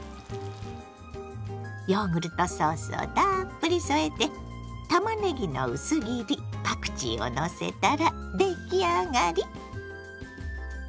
ヨーグルトソースをたっぷり添えてたまねぎの薄切りパクチーをのせたら出来上がり。